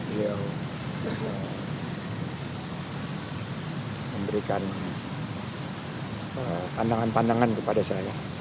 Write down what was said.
beliau memberikan pandangan pandangan kepada saya